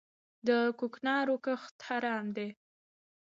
د کوکنارو کښت حرام دی؟